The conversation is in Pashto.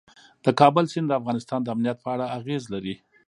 د کابل سیند د افغانستان د امنیت په اړه اغېز لري.